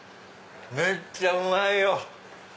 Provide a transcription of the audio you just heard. めっちゃうまいよ！